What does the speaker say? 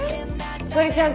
ひかりちゃん